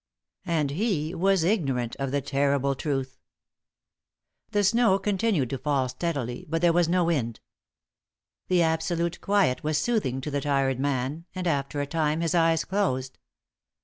And he was ignorant of the terrible truth. The snow continued to fall steadily, but there was no wind. The absolute quiet was soothing to the tired man, and after a time his eyes closed.